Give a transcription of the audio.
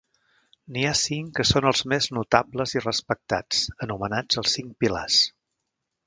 N'hi ha cinc que són els més notables i respectats, anomenats els cinc pilars.